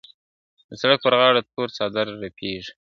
د سړک پر غاړه تور څادر رپېږي ,